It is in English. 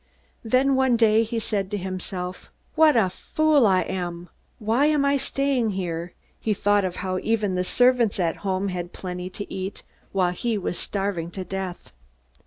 "Then one day he said to himself: 'What a fool I am! Why am I staying here?' He thought of how even the servants at home had plenty to eat, while he was starving to death.